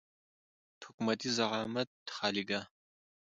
د واحد حکومتي زعامت خالیګاه.